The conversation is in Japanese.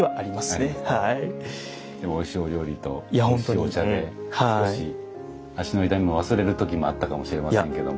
でもおいしいお料理とおいしいお茶で少し足の痛みも忘れる時もあったかもしれませんけども。